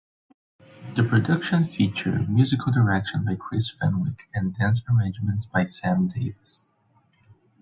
The production featured musical direction by Chris Fenwick and Dance arrangements by Sam Davis.